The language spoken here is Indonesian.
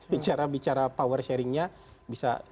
bicara bicara power sharingnya bisa